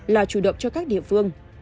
là chủ động cho các địa phương